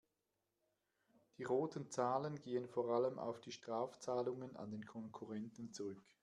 Die roten Zahlen gehen vor allem auf die Strafzahlungen an den Konkurrenten zurück.